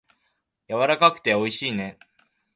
やわらかくておいしいね。